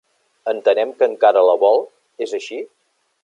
Entenem que encara la vol, és així?